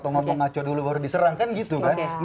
kalau ngomong acok dulu baru diserang kan gitu kan